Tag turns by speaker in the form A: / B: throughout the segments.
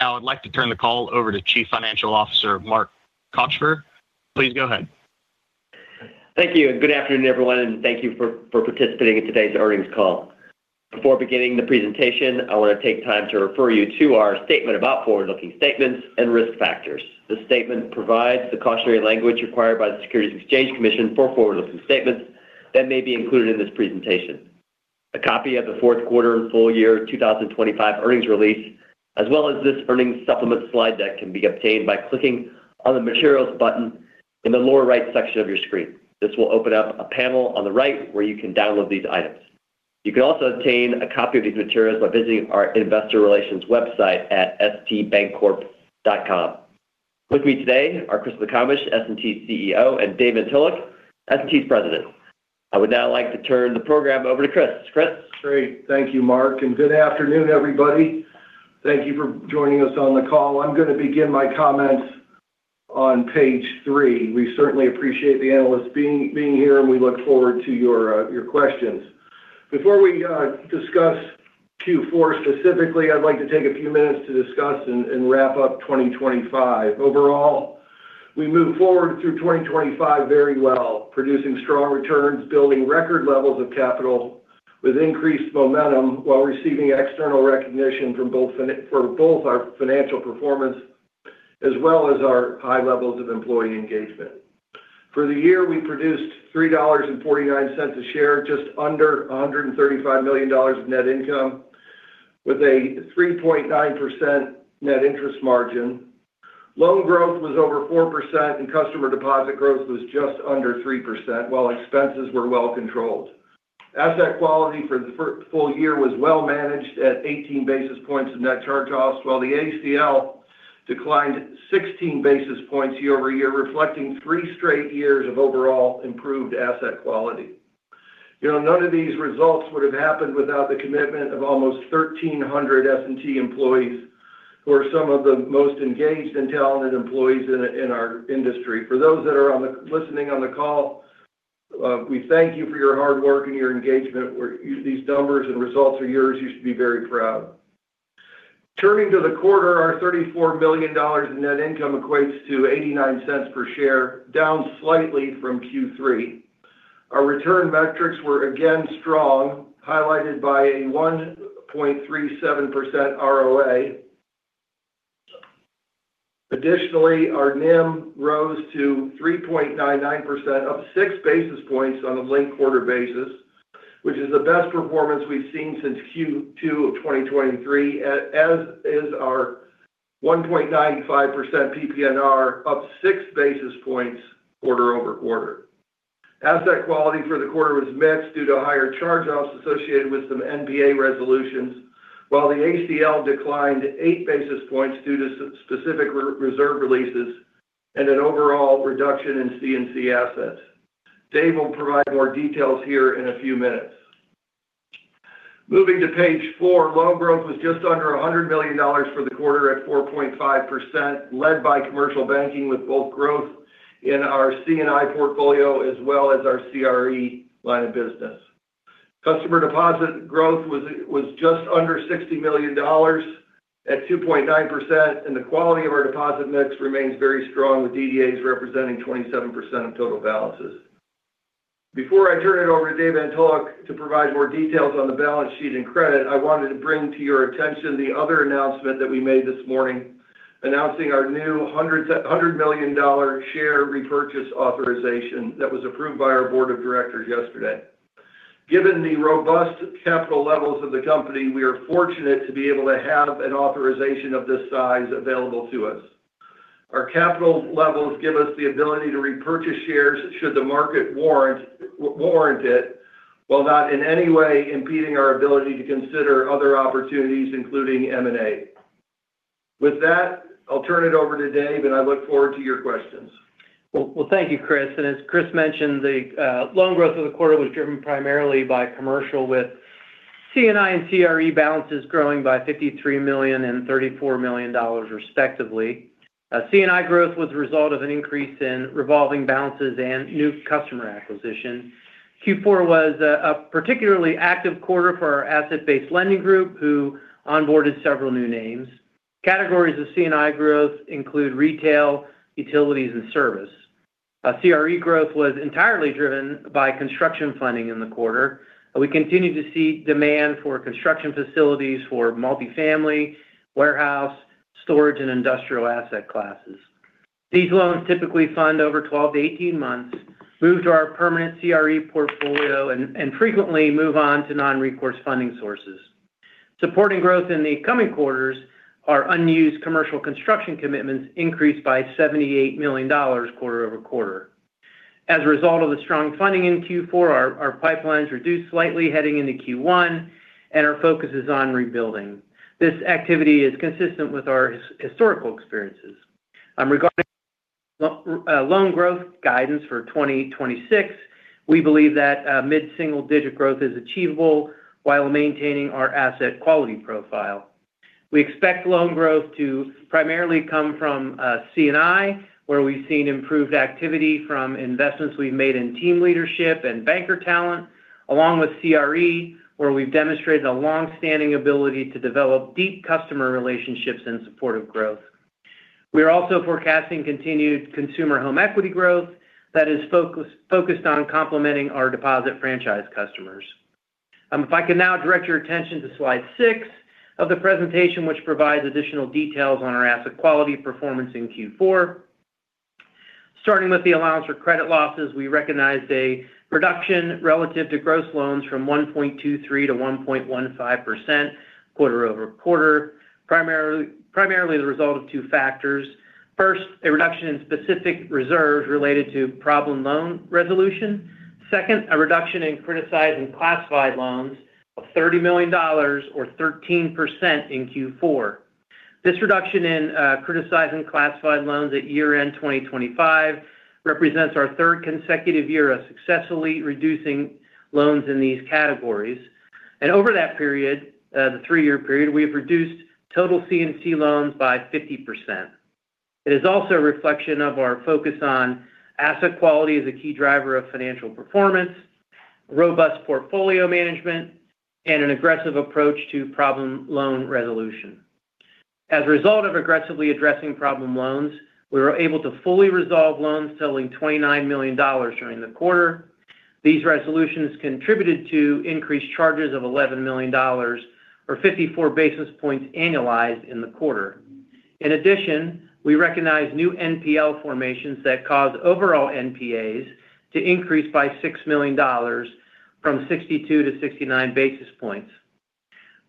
A: Now I'd like to turn the call over to Chief Financial Officer Mark Kochvar. Please go ahead.
B: Thank you. Good afternoon, everyone, and thank you for participating in today's earnings call. Before beginning the presentation, I want to take time to refer you to our statement about forward-looking statements and risk factors. This statement provides the cautionary language required by the Securities and Exchange Commission for forward-looking statements that may be included in this presentation. A copy of the fourth quarter and full year 2025 earnings release, as well as this earnings supplement slide deck, can be obtained by clicking on the materials button in the lower right section of your screen. This will open up a panel on the right where you can download these items. You can also obtain a copy of these materials by visiting our investor relations website at stbank.com. With me today are Chris McComish, S&T CEO, and Dave Antolik, S&T's President. I would now like to turn the program over to Chris. Chris.
C: Great. Thank you, Mark. And good afternoon, everybody. Thank you for joining us on the call. I'm going to begin my comments on page three. We certainly appreciate the analysts being here, and we look forward to your questions. Before we discuss Q4 specifically, I'd like to take a few minutes to discuss and wrap up 2025. Overall, we move forward through 2025 very well, producing strong returns, building record levels of capital with increased momentum while receiving external recognition for both our financial performance as well as our high levels of employee engagement. For the year, we produced $3.49 a share, just under $135 million of net income with a 3.9% net interest margin. Loan growth was over 4%, and customer deposit growth was just under 3%, while expenses were well controlled. Asset quality for the full year was well managed at 18 basis points of net charge-offs, while the ACL declined 16 basis points year over year, reflecting three straight years of overall improved asset quality. None of these results would have happened without the commitment of almost 1,300 S&T employees, who are some of the most engaged and talented employees in our industry. For those that are listening on the call, we thank you for your hard work and your engagement. These numbers and results are yours. You should be very proud. Turning to the quarter, our $34 million in net income equates to $0.89 per share, down slightly from Q3. Our return metrics were again strong, highlighted by a 1.37% ROA. Additionally, our NIM rose to 3.99%, up six basis points on a linked-quarter basis, which is the best performance we've seen since Q2 of 2023, as is our 1.95% PPNR, up six basis points quarter over quarter. Asset quality for the quarter was mixed due to higher charge-offs associated with some NPA resolutions, while the ACL declined eight basis points due to specific reserve releases and an overall reduction in C&C assets. Dave will provide more details here in a few minutes. Moving to page four, loan growth was just under $100 million for the quarter at 4.5%, led by commercial banking with both growth in our C&I portfolio as well as our CRE line of business. Customer deposit growth was just under $60 million at 2.9%, and the quality of our deposit mix remains very strong, with DDAs representing 27% of total balances. Before I turn it over to Dave Antolik to provide more details on the balance sheet and credit, I wanted to bring to your attention the other announcement that we made this morning, announcing our new $100 million share repurchase authorization that was approved by our board of directors yesterday. Given the robust capital levels of the company, we are fortunate to be able to have an authorization of this size available to us. Our capital levels give us the ability to repurchase shares should the market warrant it, while not in any way impeding our ability to consider other opportunities, including M&A. With that, I'll turn it over to Dave, and I look forward to your questions.
D: Thank you, Chris. As Chris mentioned, the loan growth of the quarter was driven primarily by commercial with C&I and CRE balances growing by $53 million and $34 million, respectively. C&I growth was the result of an increase in revolving balances and new customer acquisitions. Q4 was a particularly active quarter for our asset-based lending group, who onboarded several new names. Categories of C&I growth include retail, utilities, and service. CRE growth was entirely driven by construction funding in the quarter. We continue to see demand for construction facilities for multifamily, warehouse, storage, and industrial asset classes. These loans typically fund over 12-18 months, move to our permanent CRE portfolio, and frequently move on to non-recourse funding sources. Supporting growth in the coming quarters are unused commercial construction commitments, increased by $78 million quarter over quarter. As a result of the strong funding in Q4, our pipelines reduced slightly heading into Q1, and our focus is on rebuilding. This activity is consistent with our historical experiences. Regarding loan growth guidance for 2026, we believe that mid-single digit growth is achievable while maintaining our asset quality profile. We expect loan growth to primarily come from C&I, where we've seen improved activity from investments we've made in team leadership and banker talent, along with CRE, where we've demonstrated a long-standing ability to develop deep customer relationships in support of growth. We are also forecasting continued consumer home equity growth that is focused on complementing our deposit franchise customers. If I can now direct your attention to slide six of the presentation, which provides additional details on our asset quality performance in Q4. Starting with the allowance for credit losses, we recognize a reduction relative to gross loans from 1.23 to 1.15% quarter over quarter, primarily the result of two factors. First, a reduction in specific reserves related to problem loan resolution. Second, a reduction in criticized and classified loans of $30 million, or 13% in Q4. This reduction in criticized and classified loans at year-end 2025 represents our third consecutive year of successfully reducing loans in these categories, and over that period, the three-year period, we have reduced total C&C loans by 50%. It is also a reflection of our focus on asset quality as a key driver of financial performance, robust portfolio management, and an aggressive approach to problem loan resolution. As a result of aggressively addressing problem loans, we were able to fully resolve loans totaling $29 million during the quarter. These resolutions contributed to increased charges of $11 million, or 54 basis points annualized in the quarter. In addition, we recognize new NPL formations that cause overall NPAs to increase by $6 million from 62 to 69 basis points.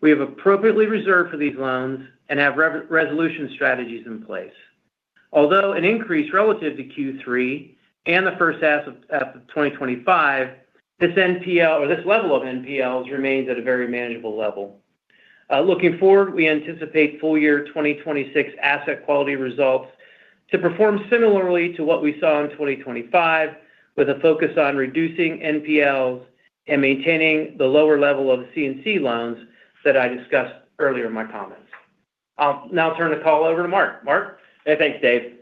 D: We have appropriately reserved for these loans and have resolution strategies in place. Although an increase relative to Q3 and the first half of 2025, this level of NPLs remains at a very manageable level. Looking forward, we anticipate full year 2026 asset quality results to perform similarly to what we saw in 2025, with a focus on reducing NPLs and maintaining the lower level of C&C loans that I discussed earlier in my comments. I'll now turn the call over to Mark. Mark?
B: Hey, thanks, Dave.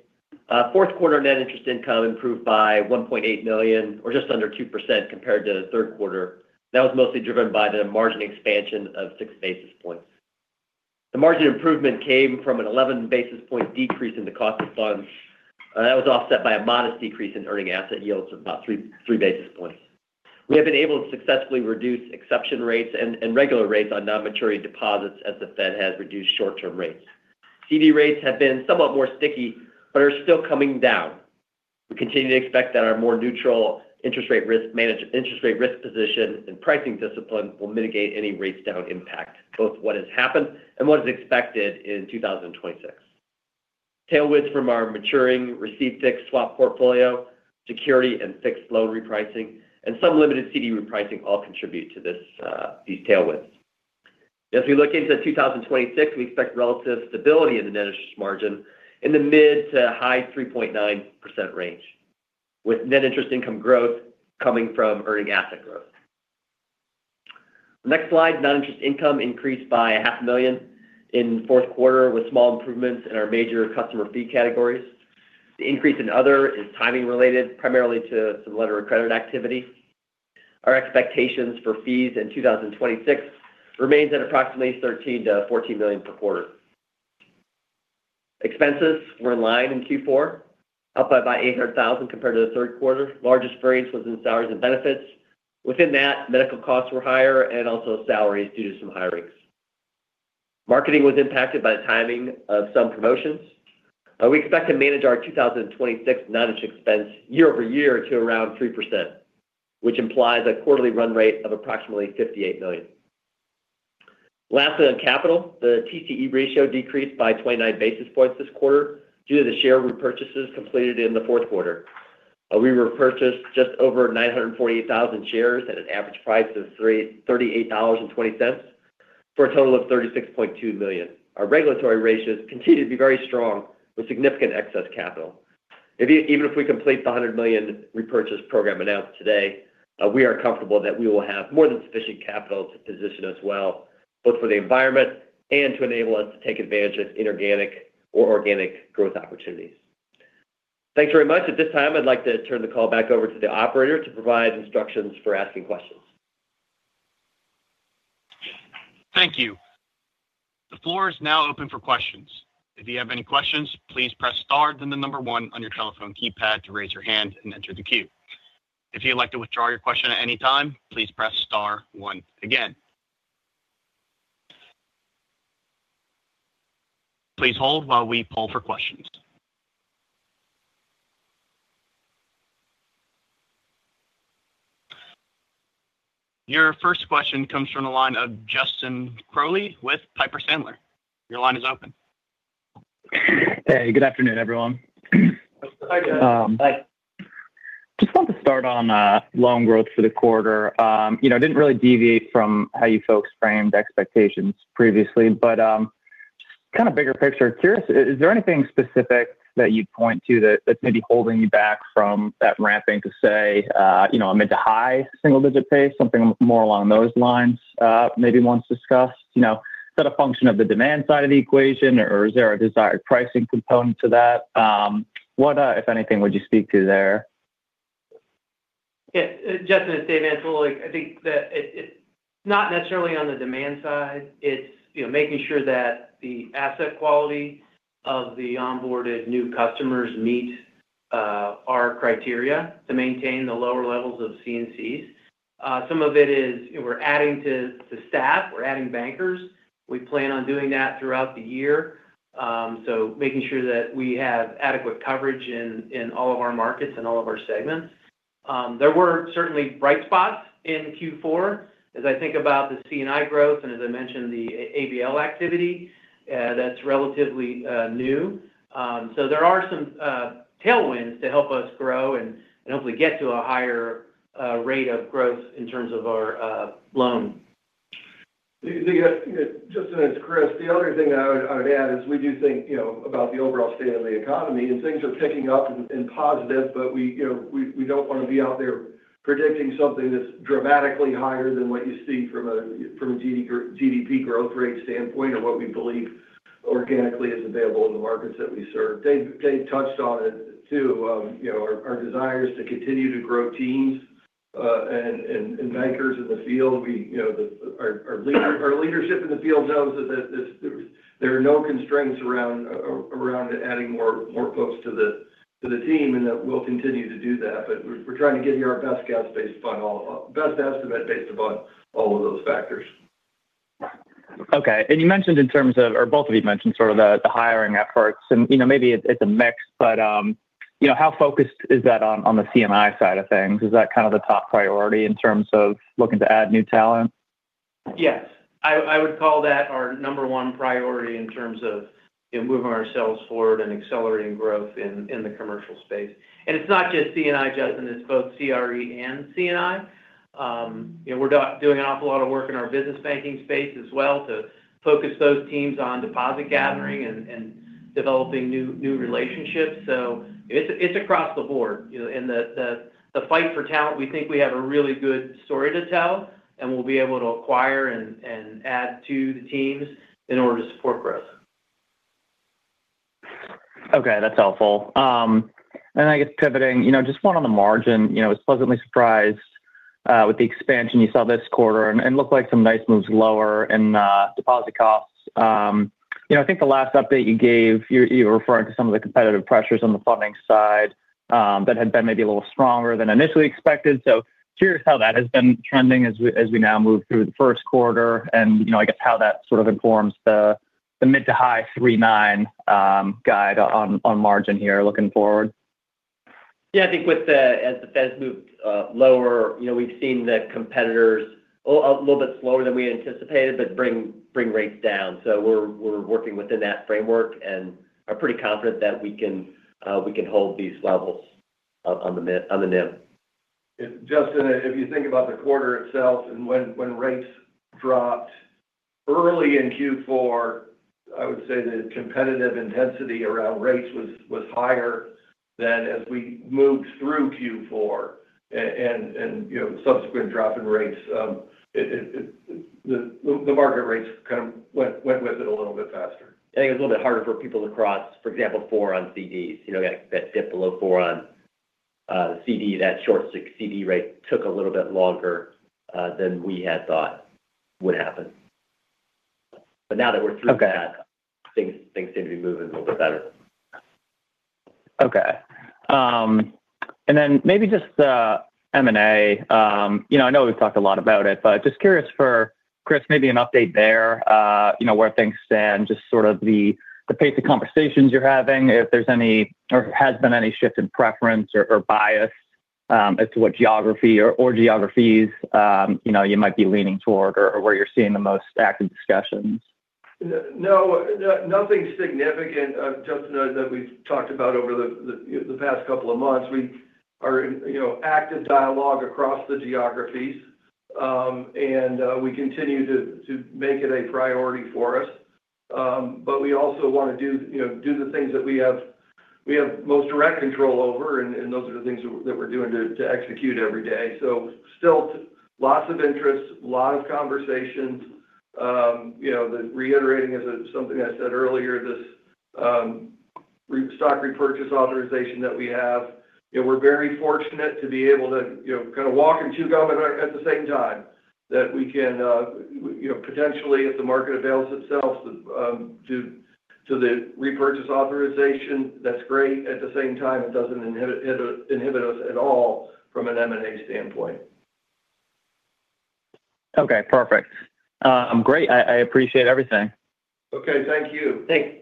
B: Fourth quarter net interest income improved by $1.8 million, or just under 2% compared to third quarter. That was mostly driven by the margin expansion of six basis points. The margin improvement came from an 11 basis point decrease in the cost of funds. That was offset by a modest decrease in earning asset yields of about three basis points. We have been able to successfully reduce exception rates and regular rates on non-maturity deposits as the Fed has reduced short-term rates. CD rates have been somewhat more sticky but are still coming down. We continue to expect that our more neutral interest rate risk position and pricing discipline will mitigate any rate down impact, both what has happened and what is expected in 2026. Tailwinds from our maturing receive-fixed swap portfolio, securities, and fixed loan repricing, and some limited CD repricing all contribute to these tailwinds. As we look into 2026, we expect relative stability in the net interest margin in the mid to high 3.9% range, with net interest income growth coming from earning asset growth. Next slide. Non-interest income increased by $500,000 in fourth quarter with small improvements in our major customer fee categories. The increase in other is timing related, primarily to some letter of credit activity. Our expectations for fees in 2026 remains at approximately $13 million-$14 million per quarter. Expenses were in line in Q4, up by about $800,000 compared to the third quarter. The largest variance was in salaries and benefits. Within that, medical costs were higher and also salaries due to some hirings. Marketing was impacted by the timing of some promotions. We expect to manage our 2026 non-interest expense year over year to around 3%, which implies a quarterly run rate of approximately $58 million. Lastly, on capital, the TCE ratio decreased by 29 basis points this quarter due to the share repurchases completed in the fourth quarter. We repurchased just over 948,000 shares at an average price of $38.20 for a total of $36.2 million. Our regulatory ratios continue to be very strong with significant excess capital. Even if we complete the $100 million repurchase program announced today, we are comfortable that we will have more than sufficient capital to position us well, both for the environment and to enable us to take advantage of inorganic or organic growth opportunities. Thanks very much. At this time, I'd like to turn the call back over to the operator to provide instructions for asking questions.
A: Thank you. The floor is now open for questions. If you have any questions, please press star then the number one on your telephone keypad to raise your hand and enter the queue. If you'd like to withdraw your question at any time, please press star one again. Please hold while we poll for questions. Your first question comes from the line of Justin Crowley with Piper Sandler. Your line is open.
E: Hey, good afternoon, everyone. Hi, Dave. Hi. Just wanted to start on loan growth for the quarter. It didn't really deviate from how you folks framed expectations previously, but just kind of bigger picture, curious, is there anything specific that you'd point to that's maybe holding you back from that ramping to, say, a mid to high single-digit pace, something more along those lines maybe once discussed? Is that a function of the demand side of the equation, or is there a desired pricing component to that? What, if anything, would you speak to there?
D: Yeah. Justin, it's Dave Antolik. I think that it's not necessarily on the demand side. It's making sure that the asset quality of the onboarded new customers meets our criteria to maintain the lower levels of C&Cs. Some of it is we're adding to staff. We're adding bankers. We plan on doing that throughout the year. So making sure that we have adequate coverage in all of our markets and all of our segments. There were certainly bright spots in Q4, as I think about the C&I growth and, as I mentioned, the ABL activity that's relatively new. So there are some tailwinds to help us grow and hopefully get to a higher rate of growth in terms of our loan.
C: Justin, it's Chris. The other thing I would add is we do think about the overall state of the economy, and things are picking up in positive, but we don't want to be out there predicting something that's dramatically higher than what you see from a GDP growth rate standpoint or what we believe organically is available in the markets that we serve. Dave touched on it too. Our desires to continue to grow teams and bankers in the field. Our leadership in the field knows that there are no constraints around adding more folks to the team and that we'll continue to do that. But we're trying to give you our best estimate based upon all of those factors.
E: Okay. And you mentioned in terms of, or both of you mentioned sort of the hiring efforts. And maybe it's a mix, but how focused is that on the C&I side of things? Is that kind of the top priority in terms of looking to add new talent?
D: Yes. I would call that our number one priority in terms of moving ourselves forward and accelerating growth in the commercial space. And it's not just C&I, Justin. It's both CRE and C&I. We're doing an awful lot of work in our business banking space as well to focus those teams on deposit gathering and developing new relationships. So it's across the board. In the fight for talent, we think we have a really good story to tell, and we'll be able to acquire and add to the teams in order to support growth.
E: Okay. That's helpful, and I guess pivoting, just one on the margin. I was pleasantly surprised with the expansion you saw this quarter and looked like some nice moves lower in deposit costs. I think the last update you gave, you were referring to some of the competitive pressures on the funding side that had been maybe a little stronger than initially expected, so curious how that has been trending as we now move through the first quarter and I guess how that sort of informs the mid- to high 3.9% guide on margin here looking forward.
D: Yeah. I think as the Fed's moved lower, we've seen the competitors a little bit slower than we anticipated, but bring rates down. So we're working within that framework and are pretty confident that we can hold these levels on the NIM.
C: Justin, if you think about the quarter itself and when rates dropped early in Q4, I would say the competitive intensity around rates was higher than as we moved through Q4 and subsequent drop in rates. The market rates kind of went with it a little bit faster.
D: I think it was a little bit harder for people to cross, for example, four on CDs. That dip below four on CD, that short CD rate took a little bit longer than we had thought would happen. But now that we're through that, things seem to be moving a little bit better.
E: Okay. And then maybe just the M&A. I know we've talked a lot about it, but just curious for Chris, maybe an update there where things stand, just sort of the pace of conversations you're having, if there's any or has been any shift in preference or bias as to what geography or geographies you might be leaning toward or where you're seeing the most active discussions?
C: No, nothing significant. Justin knows that we've talked about over the past couple of months. We are in active dialogue across the geographies, and we continue to make it a priority for us. But we also want to do the things that we have most direct control over, and those are the things that we're doing to execute every day. So still lots of interest, a lot of conversations. The reiterating is something I said earlier, this stock repurchase authorization that we have. We're very fortunate to be able to kind of walk and chew gum at the same time that we can potentially, if the market avails itself to the repurchase authorization, that's great. At the same time, it doesn't inhibit us at all from an M&A standpoint.
E: Okay. Perfect. Great. I appreciate everything.
C: Okay. Thank you.
D: Thanks.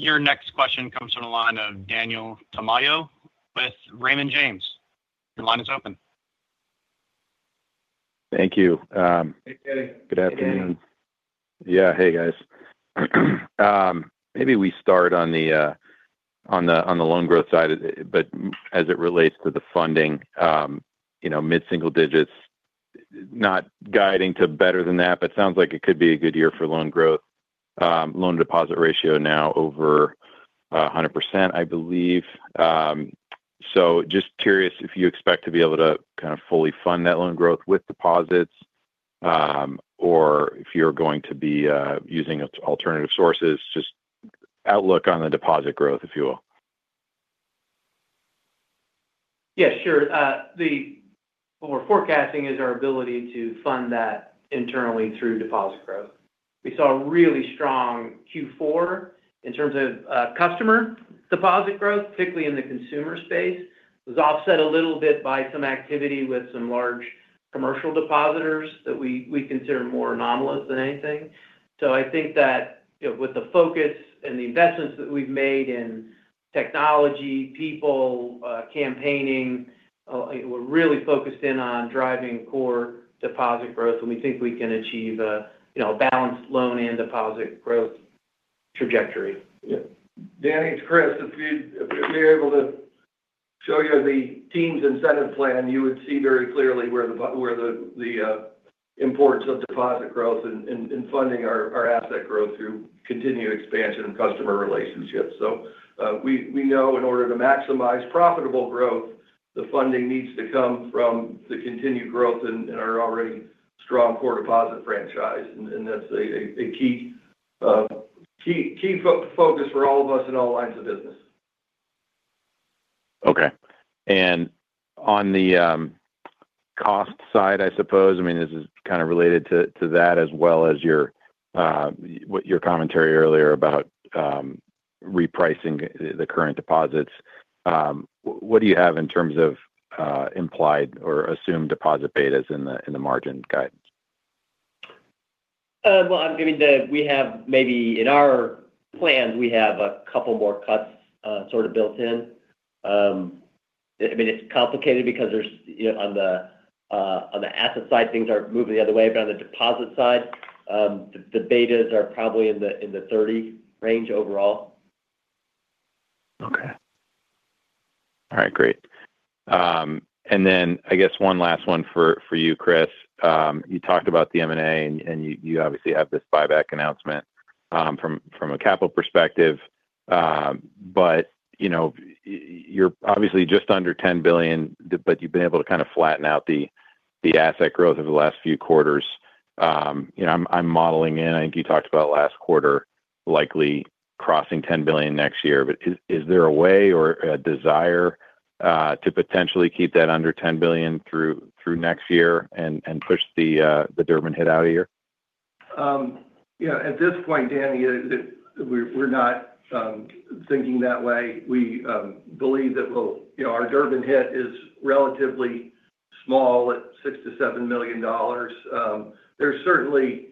A: Your next question comes from the line of Daniel Tamayo with Raymond James. Your line is open.
F: Thank you.
C: Hey, Danny.
F: Good afternoon. Yeah. Hey, guys. Maybe we start on the loan growth side, but as it relates to the funding, mid-single digits, not guiding to better than that, but it sounds like it could be a good year for loan growth. Loan to deposit ratio now over 100%, I believe. So just curious if you expect to be able to kind of fully fund that loan growth with deposits or if you're going to be using alternative sources, just outlook on the deposit growth, if you will.
D: Yeah, sure. What we're forecasting is our ability to fund that internally through deposit growth. We saw a really strong Q4 in terms of customer deposit growth, particularly in the consumer space. It was offset a little bit by some activity with some large commercial depositors that we consider more anomalous than anything. So I think that with the focus and the investments that we've made in technology, people, campaigning, we're really focused in on driving core deposit growth, and we think we can achieve a balanced loan and deposit growth trajectory.
C: Yeah. Danny, it's Chris. If we're able to show you the team's incentive plan, you would see very clearly where the importance of deposit growth and funding our asset growth through continued expansion and customer relationships. So we know in order to maximize profitable growth, the funding needs to come from the continued growth in our already strong core deposit franchise. And that's a key focus for all of us in all lines of business.
F: Okay. And on the cost side, I suppose, I mean, this is kind of related to that as well as what your commentary earlier about repricing the current deposits. What do you have in terms of implied or assumed deposit betas in the margin guidance?
D: I mean, we have maybe in our plan, we have a couple more cuts sort of built in. I mean, it's complicated because on the asset side, things are moving the other way, but on the deposit side, the betas are probably in the 30 range overall.
F: Okay. All right. Great. And then I guess one last one for you, Chris. You talked about the M&A, and you obviously have this buyback announcement from a capital perspective, but you're obviously just under 10 billion, but you've been able to kind of flatten out the asset growth over the last few quarters. I'm modeling in, I think you talked about last quarter likely crossing 10 billion next year, but is there a way or a desire to potentially keep that under 10 billion through next year and push the Durbin hit out of here?
C: At this point, Danny, we're not thinking that way. We believe that our Durbin hit is relatively small at $6 million-$7 million. There's certainly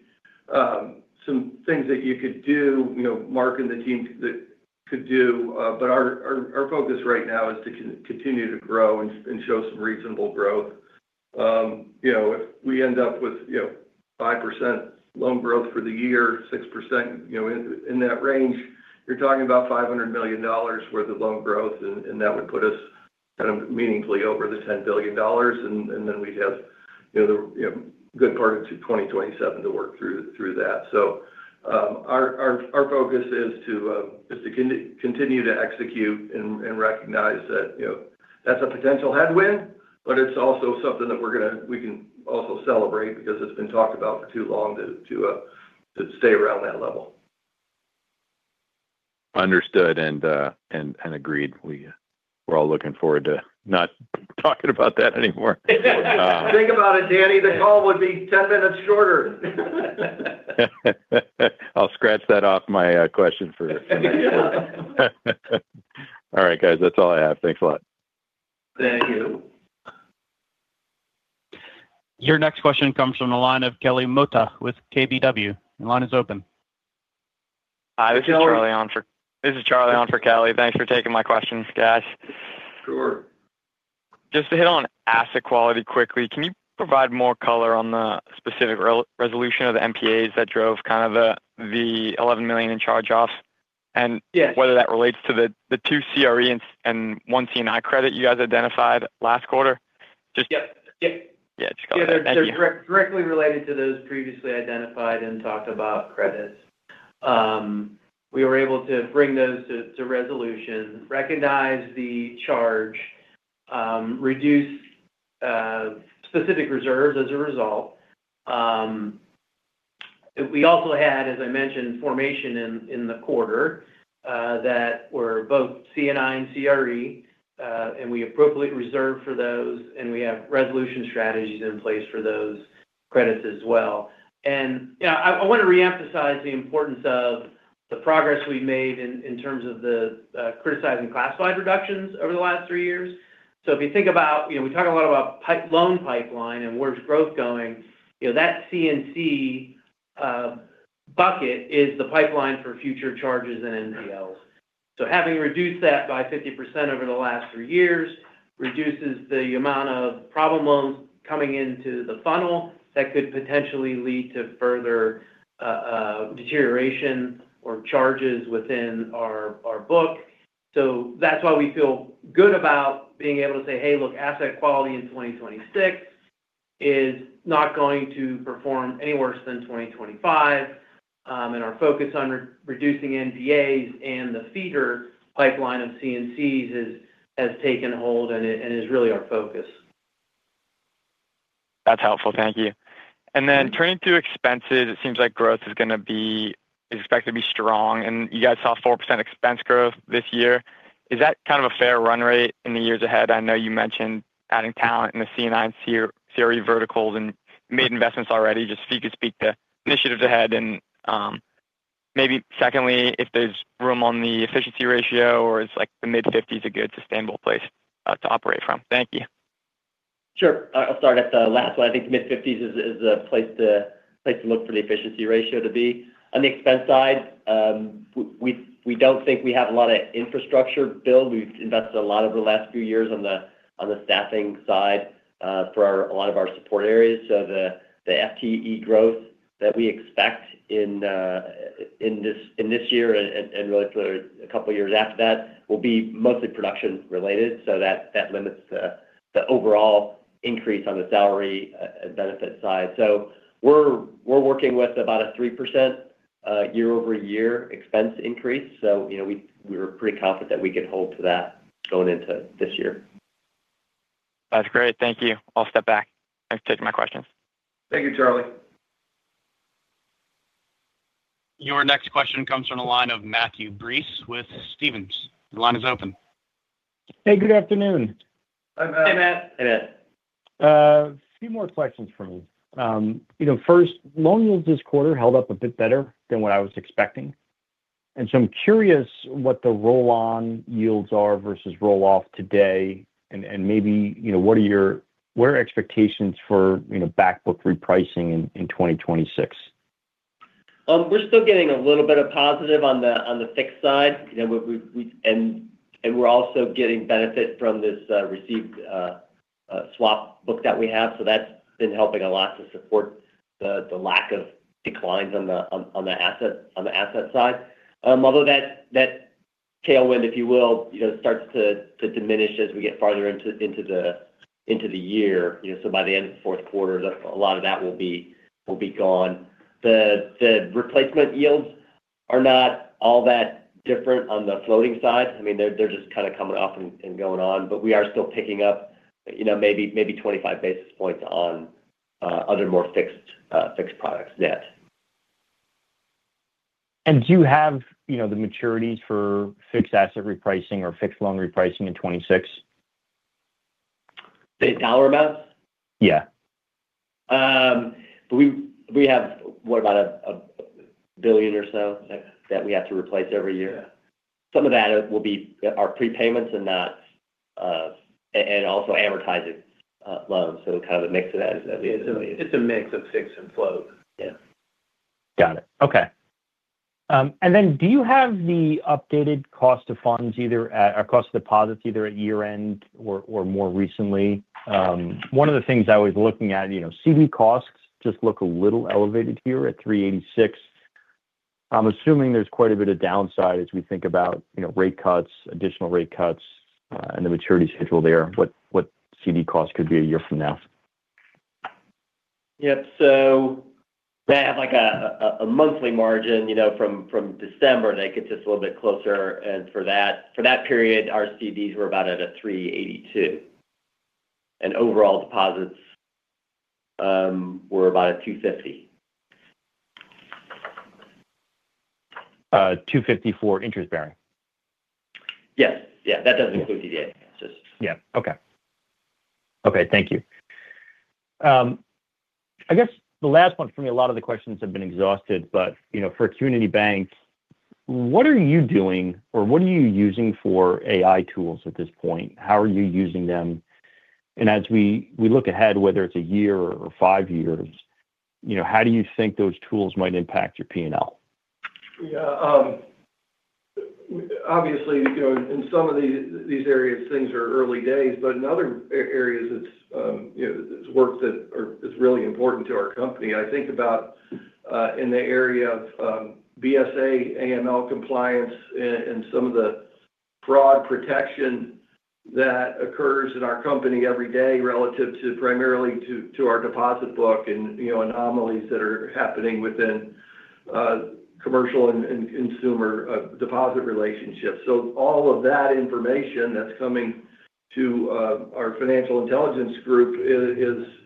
C: some things that you could do, Mark and the team could do, but our focus right now is to continue to grow and show some reasonable growth. If we end up with 5% loan growth for the year, 6% in that range, you're talking about $500 million worth of loan growth, and that would put us kind of meaningfully over the $10 billion, and then we'd have the good part of 2027 to work through that. So our focus is to continue to execute and recognize that that's a potential headwind, but it's also something that we can also celebrate because it's been talked about for too long to stay around that level.
F: Understood and agreed. We're all looking forward to not talking about that anymore.
D: Think about it, Danny. The call would be 10 minutes shorter.
F: I'll scratch that off my question for. All right, guys. That's all I have. Thanks a lot.
D: Thank you.
A: Your next question comes from the line of Kelly Motta with KBW. The line is open.
G: Hi. This is Charlie on for Kelly. Thanks for taking my questions, guys.
C: Sure.
E: Just to hit on asset quality quickly, can you provide more color on the specific resolution of the NPAs that drove kind of the $11 million in charge-offs and whether that relates to the two CRE and one C&I credit you guys identified last quarter?
D: Yep. Yep.
E: Yeah. Just got that.
D: Yeah. They're directly related to those previously identified and talked about credits. We were able to bring those to resolution, recognize the charge, reduce specific reserves as a result. We also had, as I mentioned, formations in the quarter that were both C&I and CRE, and we appropriately reserved for those, and we have resolution strategies in place for those credits as well. I want to reemphasize the importance of the progress we've made in terms of the criticized and classified reductions over the last three years. If you think about, we talk a lot about loan pipeline and where's growth going, that CNC bucket is the pipeline for future charges and NPLs. Having reduced that by 50% over the last three years reduces the amount of problem loans coming into the funnel that could potentially lead to further deterioration or charges within our book. So that's why we feel good about being able to say, "Hey, look, asset quality in 2026 is not going to perform any worse than 2025." And our focus on reducing NPAs and the feeder pipeline of CNCs has taken hold and is really our focus.
G: That's helpful. Thank you. And then turning to expenses, it seems like growth is going to be expected to be strong. And you guys saw 4% expense growth this year. Is that kind of a fair run rate in the years ahead? I know you mentioned adding talent in the C&I and CRE verticals and made investments already. Just if you could speak to initiatives ahead and maybe secondly, if there's room on the efficiency ratio or is the mid-50s a good sustainable place to operate from? Thank you.
D: Sure. I'll start at the last one. I think mid-50s is a place to look for the efficiency ratio to be. On the expense side, we don't think we have a lot of infrastructure built. We've invested a lot over the last few years on the staffing side for a lot of our support areas. So the FTE growth that we expect in this year and really for a couple of years after that will be mostly production-related. So that limits the overall increase on the salary and benefit side. So we're working with about a 3% year-over-year expense increase. So we were pretty confident that we could hold to that going into this year.
G: That's great. Thank you. I'll step back. Thanks for taking my questions.
C: Thank you, Charlie.
A: Your next question comes from the line of Matthew Breese with Stephens. The line is open.
H: Hey, good afternoon.
D: Hey, Matt.
H: Hey, Matt. A few more questions for me. First, loan yields this quarter held up a bit better than what I was expecting. And so I'm curious what the roll-on yields are versus roll-off today, and maybe what are expectations for backbook repricing in 2026?
D: We're still getting a little bit of positive on the fixed side, and we're also getting benefit from this received swap book that we have. So that's been helping a lot to support the lack of declines on the asset side. Although that tailwind, if you will, starts to diminish as we get farther into the year. So by the end of the fourth quarter, a lot of that will be gone. The replacement yields are not all that different on the floating side. I mean, they're just kind of coming up and going on, but we are still picking up maybe 25 basis points on other more fixed products yet.
H: And do you have the maturities for fixed asset repricing or fixed loan repricing in 2026?
D: The dollar amounts?
H: Yeah.
D: We have what, about $1 billion or so that we have to replace every year. Some of that will be our prepayments and also amortizing loans, so kind of a mix of that.
C: It's a mix of fixed and float.
H: Yeah. Got it. Okay. And then do you have the updated cost of funds either or cost of deposits either at year-end or more recently? One of the things I was looking at, CD costs just look a little elevated here at 3.86%. I'm assuming there's quite a bit of downside as we think about rate cuts, additional rate cuts, and the maturity schedule there, what CD cost could be a year from now.
D: Yep, so they have a monthly margin from December that gets us a little bit closer. For that period, our CDs were about at a 382, and overall deposits were about a 250.
H: 250 for interest bearing?
D: Yes. Yeah. That doesn't include DDA. It's just.
H: Thank you. I guess the last one for me, a lot of the questions have been exhausted, but for community banks, what are you doing or what are you using for AI tools at this point? How are you using them? And as we look ahead, whether it's a year or five years, how do you think those tools might impact your P&L?
C: Yeah. Obviously, in some of these areas, things are early days, but in other areas, it's work that is really important to our company. I think about in the area of BSA, AML compliance, and some of the fraud protection that occurs in our company every day relative primarily to our deposit book and anomalies that are happening within commercial and consumer deposit relationships. So all of that information that's coming to our financial intelligence group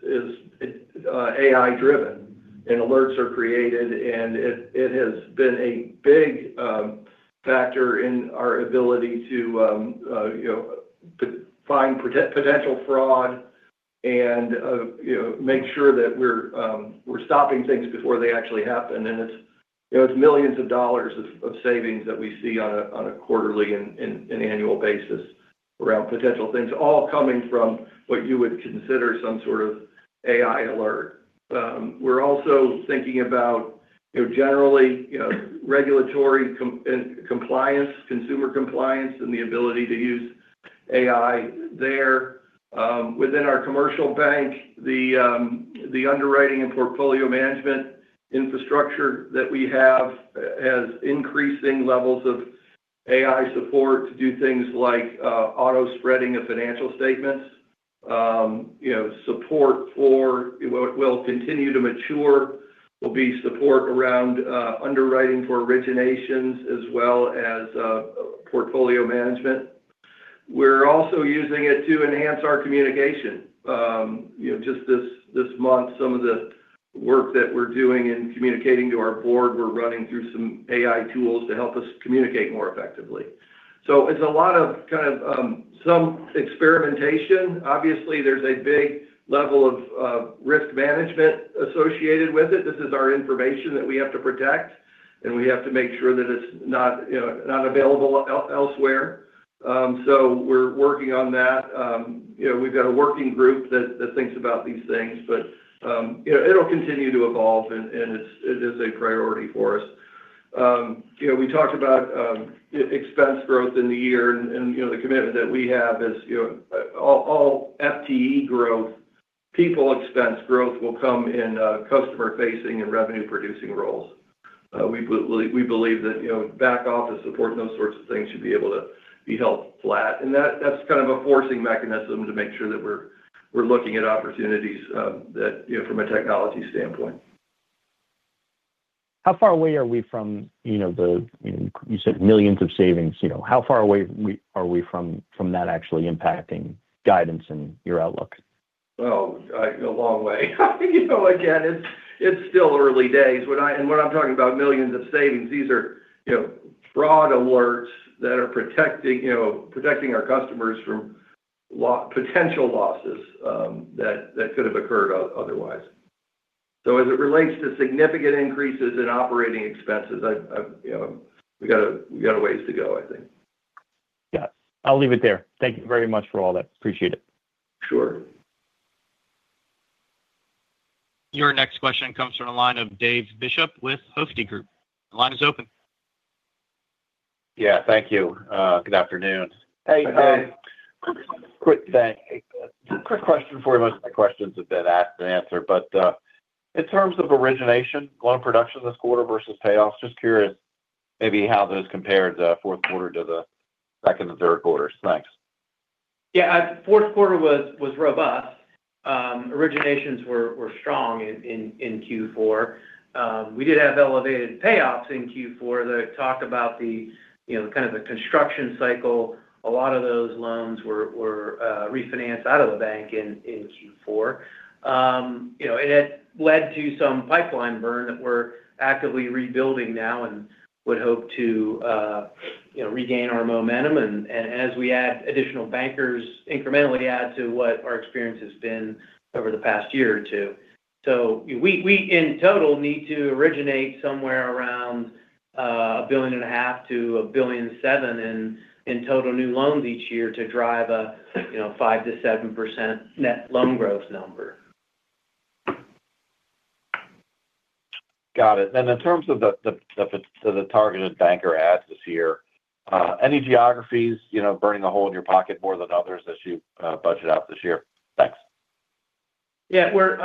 C: is AI-driven, and alerts are created. And it has been a big factor in our ability to find potential fraud and make sure that we're stopping things before they actually happen. And it's millions of dollars of savings that we see on a quarterly and annual basis around potential things, all coming from what you would consider some sort of AI alert. We're also thinking about generally regulatory compliance, consumer compliance, and the ability to use AI there. Within our commercial bank, the underwriting and portfolio management infrastructure that we have has increasing levels of AI support to do things like auto spreading of financial statements. Support for what will continue to mature will be support around underwriting for originations as well as portfolio management. We're also using it to enhance our communication. Just this month, some of the work that we're doing in communicating to our board, we're running through some AI tools to help us communicate more effectively. So it's a lot of kind of some experimentation. Obviously, there's a big level of risk management associated with it. This is our information that we have to protect, and we have to make sure that it's not available elsewhere. So we're working on that. We've got a working group that thinks about these things, but it'll continue to evolve, and it is a priority for us. We talked about expense growth in the year, and the commitment that we have is all FTE growth, people expense growth will come in customer-facing and revenue-producing roles. We believe that back office support, those sorts of things should be able to be held flat, and that's kind of a forcing mechanism to make sure that we're looking at opportunities from a technology standpoint.
H: How far away are we from the, you said, millions of savings? How far away are we from that actually impacting guidance and your outlook?
C: Oh, a long way. Again, it's still early days. And when I'm talking about millions of savings, these are fraud alerts that are protecting our customers from potential losses that could have occurred otherwise. So as it relates to significant increases in operating expenses, we've got a ways to go, I think.
H: Yes. I'll leave it there. Thank you very much for all that. Appreciate it.
C: Sure.
A: Your next question comes from the line of Dave Bishop with Hovde Group. The line is open.
I: Yeah. Thank you. Good afternoon.
D: Hey.
C: Hey.
I: Quick question for you. Most of my questions have been asked and answered, but in terms of origination, loan production this quarter versus payoffs, just curious maybe how those compared the fourth quarter to the second and third quarters? Thanks.
D: Yeah. Fourth quarter was robust. Originations were strong in Q4. We did have elevated payoffs in Q4 that talked about the kind of the construction cycle. A lot of those loans were refinanced out of the bank in Q4. And it led to some pipeline burn that we're actively rebuilding now and would hope to regain our momentum as we add additional bankers incrementally, add to what our experience has been over the past year or two. So we, in total, need to originate somewhere around $1.5 billion-$1.7 billion in total new loans each year to drive a 5%-7% net loan growth number.
I: Got it. And in terms of the targeted banker adds this year, any geographies burning a hole in your pocket more than others as you budget out this year? Thanks.
D: Yeah. We're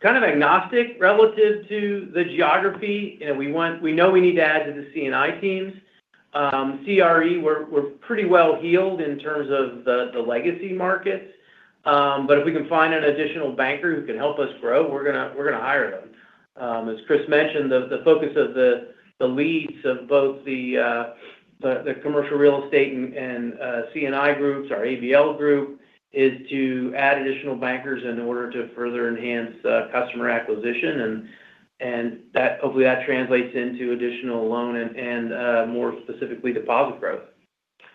D: kind of agnostic relative to the geography. We know we need to add to the C&I teams. CRE, we're pretty well healed in terms of the legacy markets. But if we can find an additional banker who can help us grow, we're going to hire them. As Chris mentioned, the focus of the leads of both the commercial real estate and C&I groups, our ABL group, is to add additional bankers in order to further enhance customer acquisition. And hopefully, that translates into additional loan and more specifically deposit growth.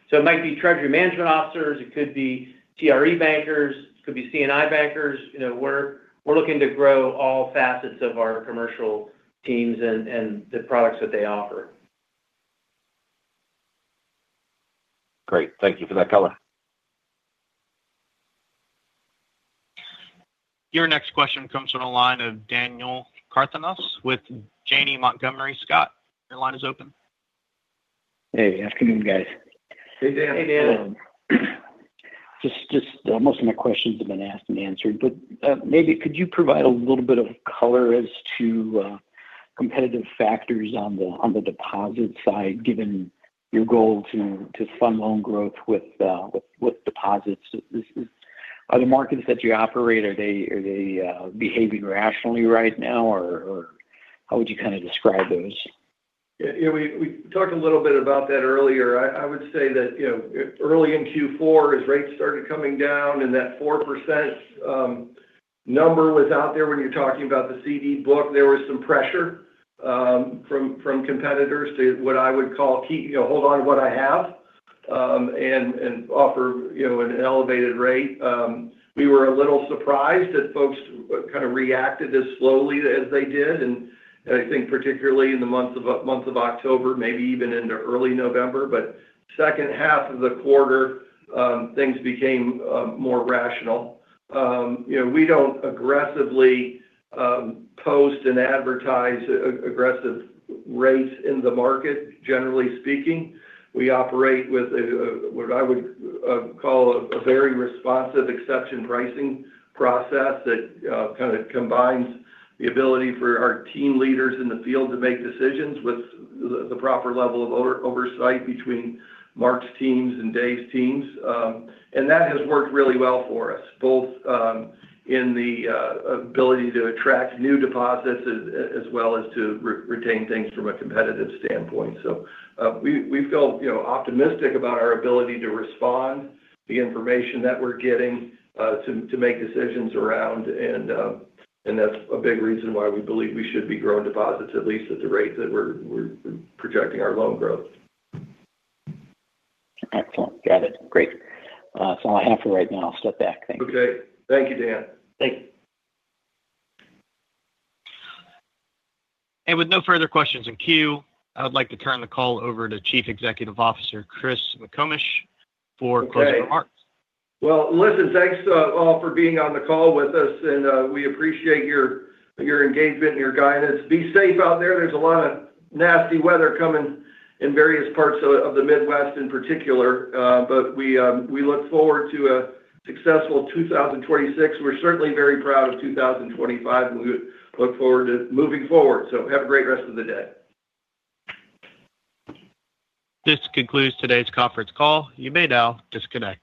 D: So it might be treasury management officers. It could be TRE bankers. It could be C&I bankers. We're looking to grow all facets of our commercial teams and the products that they offer.
I: Great. Thank you for that, Colin.
A: Your next question comes from the line of Daniel Cardenas with Janney Montgomery Scott. Your line is open.
J: Hey. Good afternoon, guys.
C: Hey, Dan.
D: Hey, Dan.
J: Just most of my questions have been asked and answered. But maybe could you provide a little bit of color as to competitive factors on the deposit side, given your goal to fund loan growth with deposits? Are the markets that you operate, are they behaving rationally right now? Or how would you kind of describe those?
C: Yeah. We talked a little bit about that earlier. I would say that early in Q4, as rates started coming down and that 4% number was out there when you're talking about the CD book, there was some pressure from competitors to what I would call hold on to what I have and offer an elevated rate. We were a little surprised that folks kind of reacted as slowly as they did. And I think particularly in the month of October, maybe even into early November. But second half of the quarter, things became more rational. We don't aggressively post and advertise aggressive rates in the market, generally speaking. We operate with what I would call a very responsive exception pricing process that kind of combines the ability for our team leaders in the field to make decisions with the proper level of oversight between Mark's teams and Dave's teams. That has worked really well for us, both in the ability to attract new deposits as well as to retain things from a competitive standpoint. We feel optimistic about our ability to respond to the information that we're getting to make decisions around. That's a big reason why we believe we should be growing deposits, at least at the rate that we're projecting our loan growth.
J: Excellent. Got it. Great. That's all I have for right now. I'll step back. Thanks.
C: Okay. Thank you, Dan.
J: Thank you.
A: With no further questions in queue, I would like to turn the call over to Chief Executive Officer Chris McComish for closing remarks.
C: Well, listen, thanks all for being on the call with us. And we appreciate your engagement and your guidance. Be safe out there. There's a lot of nasty weather coming in various parts of the Midwest in particular, but we look forward to a successful 2026. We're certainly very proud of 2025, and we look forward to moving forward. So have a great rest of the day.
A: This concludes today's conference call. You may now disconnect.